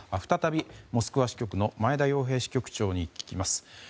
再び、モスクワ支局の前田洋平支局長に聞きます。